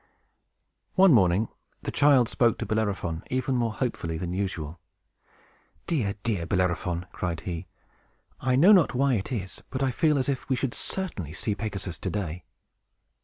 One morning the child spoke to Bellerophon even more hopefully than usual. "Dear, dear Bellerophon," cried he, "I know not why it is, but I feel as if we should certainly see Pegasus to day!"